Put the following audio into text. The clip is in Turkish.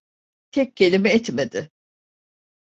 Tek kelime etmedi.